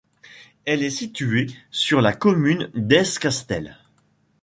Elle était située sur la commune d'Es Castell.